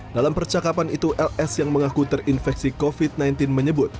dalam percakapan itu ls yang mengaku terinfeksi covid sembilan belas menyebut